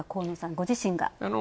ご自身が。